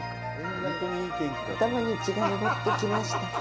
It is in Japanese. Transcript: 頭に血が上ってきました。